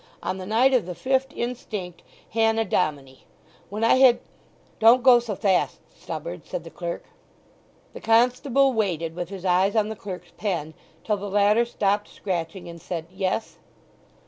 on the night of the fifth instinct, Hannah Dominy. When I had— "Don't go so fast, Stubberd," said the clerk. The constable waited, with his eyes on the clerk's pen, till the latter stopped scratching and said, "yes."